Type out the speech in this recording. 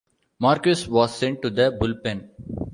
Marquis was sent to the bullpen.